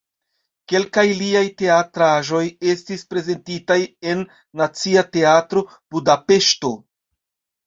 Kelkaj liaj teatraĵoj estis prezentitaj en Nacia Teatro (Budapeŝto).